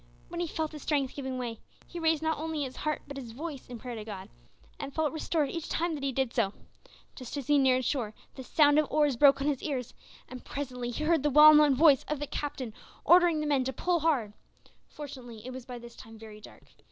When he felt his strength giving way, he raised not only his heart but his voice in prayer to God, and felt restored each time that he did so. Just as he neared the shore, the sound of oars broke on his ears, and presently he heard the well known voice of the Captain ordering the men to pull hard. Fortunately it was by this time very dark.